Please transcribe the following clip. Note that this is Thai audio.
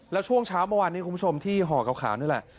แล้วช่วงเช้าเมื่อวานนี้คุณผู้ชมที่ห่อขาวนี่แหละ